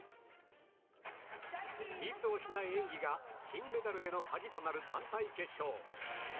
ミスをしない演技が金メダルへの鍵となる団体決勝。